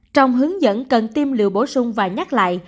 trong hướng dẫn cần tiêm liều bổ sung và nhắc lại